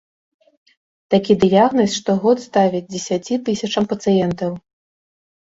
Такі дыягназ штогод ставяць дзесяці тысячам пацыентаў.